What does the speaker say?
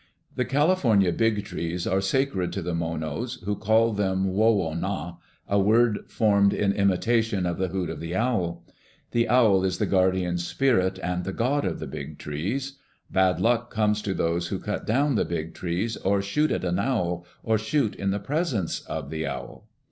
The California big trees are sacred to the Monos, who call them "woh woh nau," a word formed in imitation of the hoot of the owl. The owl is the guardian spirit and the god of the big trees. Bad luck comes to those who cut down the big trees, or shoot at an owl, or shoot in the presence of the owl.